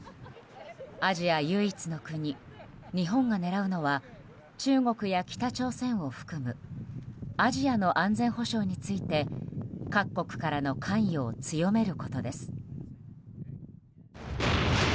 アジア唯一の国、日本が狙うのは中国や北朝鮮を含むアジアの安全保障について各国からの関与を強めることです。